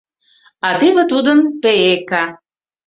А теве тудын — Пеека.